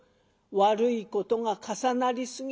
悪いことが重なりすぎたのじゃ。